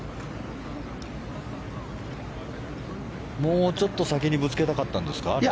もうちょっと先にぶつけたかったんですか？